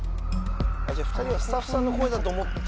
じゃあ２人はスタッフさんの声だと思って。